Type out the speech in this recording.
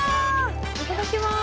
いただきます。